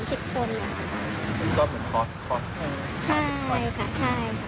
ก็เหมือนครอสอย่างนี้๓๐คนใช่ค่ะใช่